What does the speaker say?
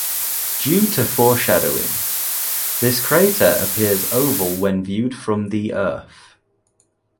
Due to foreshortening, this crater appears oval when viewed from the Earth.